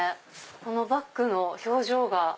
このバッグの表情が。